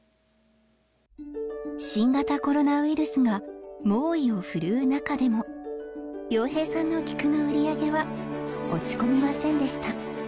新型コロナウイルスが猛威を振るう中でも洋平さんのキクの売り上げは落ち込みませんでした。